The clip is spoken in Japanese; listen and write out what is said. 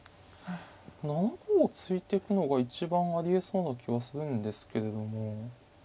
７五を突いてくのが一番ありえそうな気はするんですけれども。